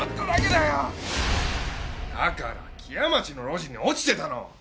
だから木屋町の路地に落ちてたの！